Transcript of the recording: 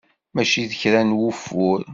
Mačči d kra n wufur.